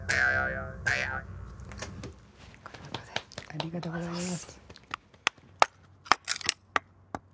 ありがとうございます。